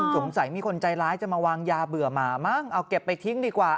มีคนใจร้ายจะมาวางยาเบื่อหมามั้งเอาเก็บไปทิ้งดีกว่า